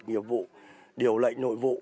nghiệp vụ điều lệnh nội vụ